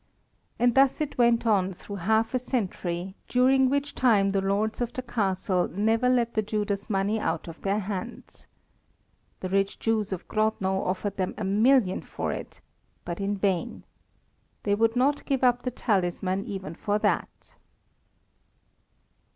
And thus it went on through half a century, during which time the lords of the Castle never let the Judas money out of their hands. The rich Jews of Grodno offered them a million for it, but in vain. They would not give up the talisman even for that.